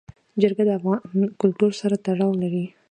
جلګه د افغان کلتور سره تړاو لري.